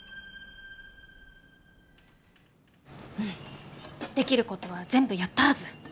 うんできることは全部やったはず。